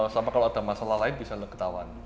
sama kalau ada masalah lain bisa ketahuan